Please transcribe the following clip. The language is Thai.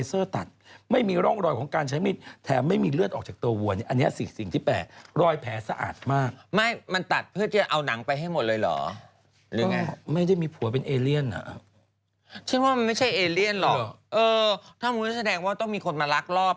เออถ้ามึงจะแสดงว่าต้องมีคนมารักรอบ